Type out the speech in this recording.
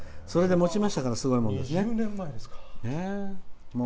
それでもちましたからすごいもんですね。